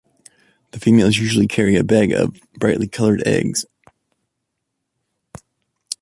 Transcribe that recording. The females usually carry a bag of brightly colored eggs.